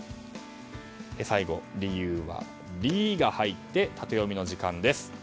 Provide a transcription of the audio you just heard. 最後、理由はの「リ」が入ってタテヨミの時間です。